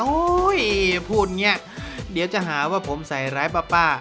อุ้ยพูดเงี้ยเดี๋ยวจะหาว่าผมใส่รายป่าป่า